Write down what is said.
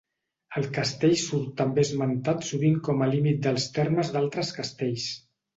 El castell surt també esmentat sovint com a límit dels termes d'altres castells.